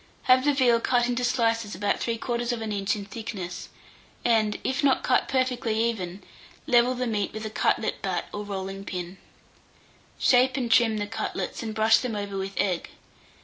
Have the veal cut into slices about 3/4 of an inch in thickness, and, if not cut perfectly even, level the meat with a cutlet bat or rolling pin. Shape and trim the cutlets, and brush them over with egg.